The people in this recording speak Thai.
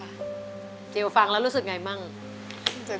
คนที่สองชื่อน้องก็เอาหลานมาให้ป้าวันเลี้ยงสองคน